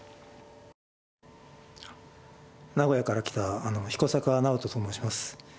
名古屋から来た彦坂直人と申します。